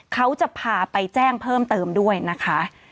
เขาจะพาไปแจ้งเพิ่มเติมด้วยนะคะ